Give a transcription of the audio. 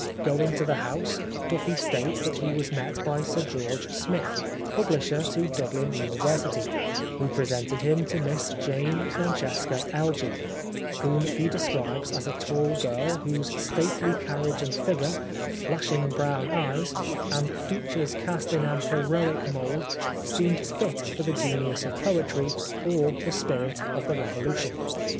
Going to the house Duffy states that he was met by Sir George Smith, publisher to Dublin University, who presented him to Miss Jane Francesca Elgee, whom he describes as a tall girl, whose stately carriage and figure, flashing brown eyes, and features cast in an heroic mould seemed fit for the genius of poetry or the spirit of the revolution."